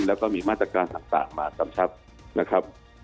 แล้วก็มีมาตรการต่างมากำชับนะครับ